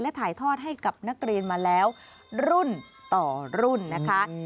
และถ่ายทอดให้กับนักเรียนมาแล้วรุ่นต่อรุ่นนะคะ